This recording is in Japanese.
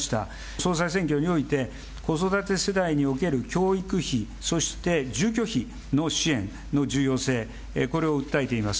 総裁選挙において、子育て世代における教育費、そして、住居費の支援の重要性、これを訴えています。